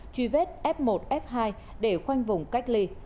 truy vết f một f hai để khoanh vùng cách ly